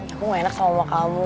aku gak enak sama mama kamu